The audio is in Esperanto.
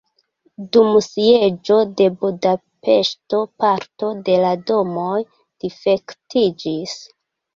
Dum sieĝo de Budapeŝto parto de la domoj difektiĝis.